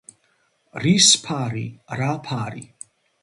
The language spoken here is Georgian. რის ფარი, რა ფარი